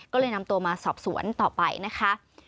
ก็เลยนำตัวมาสอบสวนต่อไปนะคะ